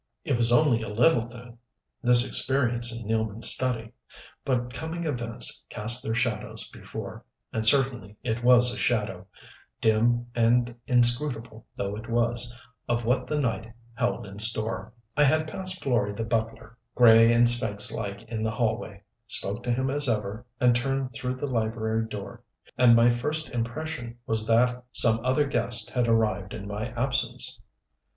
It was only a little thing this experience in Nealman's study. But coming events cast their shadows before and certainly it was a shadow, dim and inscrutable though it was, of what the night held in store. I had passed Florey the butler, gray and sphynx like in the hallway, spoke to him as ever, and turned through the library door. And my first impression was that some other guest had arrived in my absence.